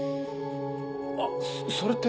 あっそれって。